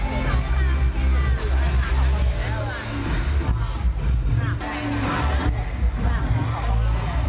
ซึ่งที่มีไลฟ์สไตล์ที่แบบออกไปแค่นอก